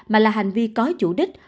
mà là hành vi có chủ đích